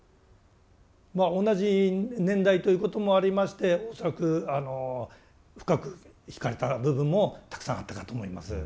まあ同じ年代ということもありまして恐らく深くひかれた部分もたくさんあったかと思います。